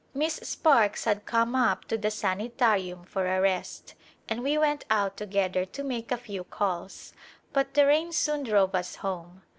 Miss Sparkes had come up to the sanitarium for a rest and we went out to gether to make a few calls, but the rain soon drove us home.